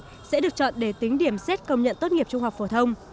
các thí sinh được chọn để tính điểm xét công nhận tốt nghiệp trung học phổ thông